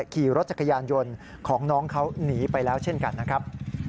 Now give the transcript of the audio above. ขี่รถจักรยานยนต์ของน้องเขาหนีไปแล้วเช่นกันนะครับ